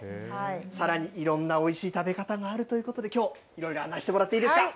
さらにいろんなおいしい食べ方があるということで、きょう、いろいろ案内してもらっていいですか。